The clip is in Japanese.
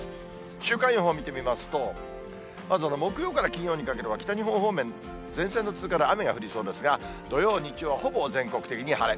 週間予報を見てみますと、まず木曜から金曜にかけては、北日本方面、前線の通過で雨が降りそうですが、土曜、日曜はほぼ全国的に晴れ。